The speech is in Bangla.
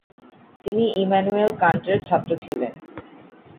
তিনি ইমানুয়েল কান্টের ছাত্র ছিলেন।